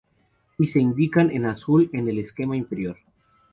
Y se indican en azul en el esquema inferior.